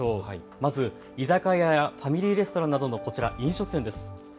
まず居酒屋やファミリーレストランなどの飲食店です。